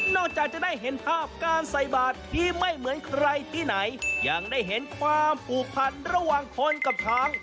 จากจะได้เห็นภาพการใส่บาทที่ไม่เหมือนใครที่ไหนยังได้เห็นความผูกพันระหว่างคนกับช้าง